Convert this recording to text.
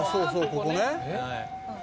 ここね」